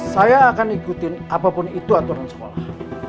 saya akan ikutin apapun itu aturan sekolah